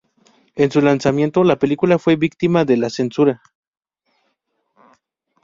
En su lanzamiento, la película fue víctima de la censura.